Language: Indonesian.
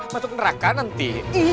masuk neraka nanti